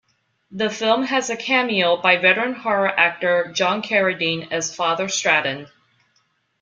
The film has a cameo by veteran horror actor John Carradine as Father Stratten.